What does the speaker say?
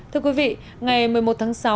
thưa quý vị ngày một mươi một tháng sáu